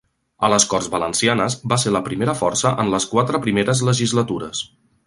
A les Corts Valencianes va ser la primera força en les quatre primeres legislatures.